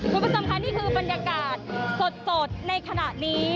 เป็นประสำคัญนี่คือบรรยากาศสดในขณะนี้